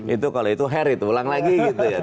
itu kalau itu herit ulang lagi gitu ya